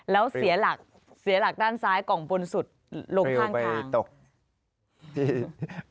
แล้วเสียหลักด้านซ้ายกล่องบนสุดลงข้างคลัง